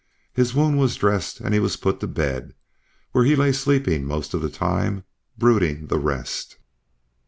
His wound was dressed and he was put to bed, where he lay sleeping most of the time, brooding the rest.